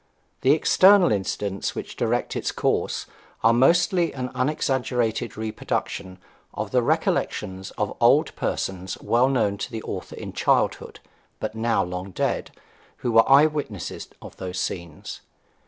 The external incidents which direct its course are mostly an unexaggerated reproduction of the recollections of old persons well known to the author in childhood, but now long dead, who were eye witnesses of those scenes.